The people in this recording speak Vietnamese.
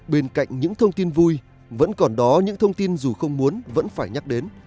bên cạnh những thông tin vui vẫn còn đó những thông tin dù không muốn vẫn phải nhắc đến